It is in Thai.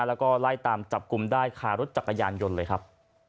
แล้วก็ไล่ตามจับกลุ่มได้คารถจักรยานยนต์เลยครับ